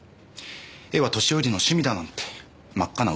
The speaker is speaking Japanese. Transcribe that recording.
絵は年寄りの趣味だなんて真っ赤な嘘だったわけだ。